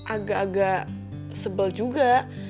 agak agak sebel juga